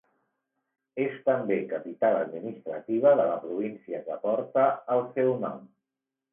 És també capital administrativa de la província que porta el seu nom.